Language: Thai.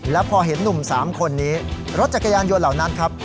แล้วพอเห็นหนุ่ม๓คนนี้รถจักรยานยนต์เหล่านั้นครับ